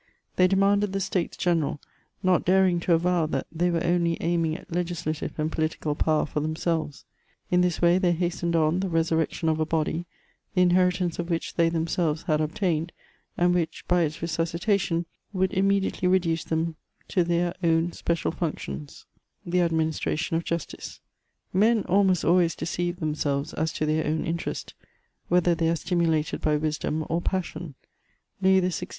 They demanded the States General, not daring to avow that they were only aim ing at legislative and political power for themselves ; in this way they hastened on the resurrection of a body, the inheritance of which they themselves had obtained, and which, by its resuscita tion, woidd immediately reduce them to their own special func tions — the administration of justice. Men almost always de ceive themselves as to their own interest, whether they are stimulated by wisdom or passion ; Louis XVI.